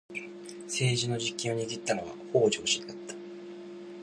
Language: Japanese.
政治の実権を握ったのは北条氏であった。